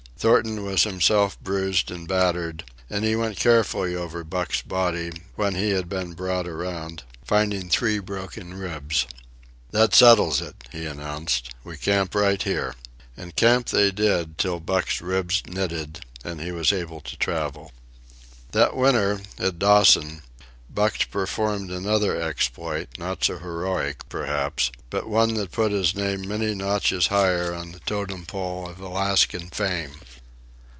Thornton was himself bruised and battered, and he went carefully over Buck's body, when he had been brought around, finding three broken ribs. "That settles it," he announced. "We camp right here." And camp they did, till Buck's ribs knitted and he was able to travel. That winter, at Dawson, Buck performed another exploit, not so heroic, perhaps, but one that put his name many notches higher on the totem pole of Alaskan fame.